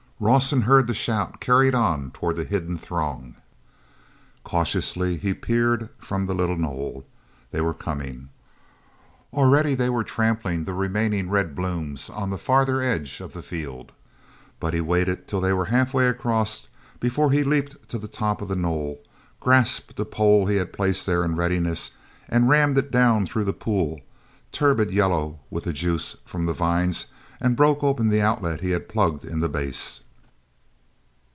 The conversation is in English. Rawson heard the shout carried on toward the hidden throng. Cautiously he peered from the little knoll. They were coming. Already they were trampling the remaining red blooms on the farther edge of the field. But he waited till they were halfway across before he leaped to the top of the knoll, grasped a pole he had placed there in readiness and rammed it down through the pool, turbid yellow with the juice from the vines, and broke open the outlet he had plugged in the base.